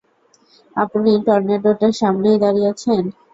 আপনি টর্নেডোটার সামনেই দাঁড়িয়ে আছেন!